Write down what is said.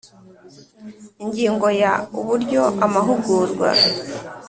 Ingingo ya uburyo amahugurwa